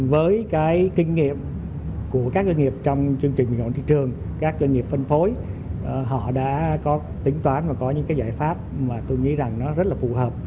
với cái kinh nghiệm của các doanh nghiệp trong chương trình bình ổn thị trường các doanh nghiệp phân phối họ đã có tính toán và có những cái giải pháp mà tôi nghĩ rằng nó rất là phù hợp